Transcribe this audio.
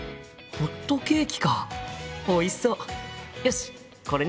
「ホットケーキ」。